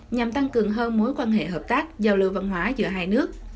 nhằm tăng cường hơn mối quan hệ hợp tác giao lưu văn hóa giữa hai nước